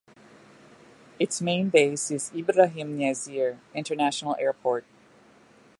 Its main base is Ibrahim Nasir International Airport.